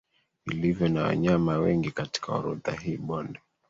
ilivyo na wanyama wengi katika orodha hii bonde